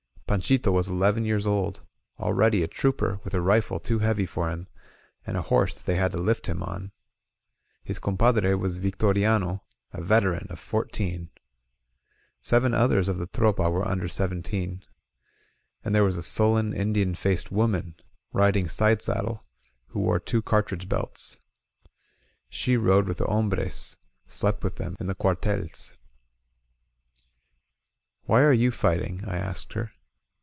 ..• Panchito was eleven years old, already a trooper with a rifle too heavy for him, and a horse that they had to lift him on. His compadre was Victoriano, a veteran of fourteen. Seven others of the Tropa were under seventeen. And there was a sullen, Indian faced woman, riding side saddle, who wore two cartridge belts. She rode with the hombres — slept with them in the cuartels. "Why are you fighting?" I asked her.